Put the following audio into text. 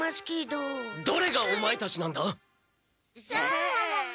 どれがオマエたちなんだ？さあ？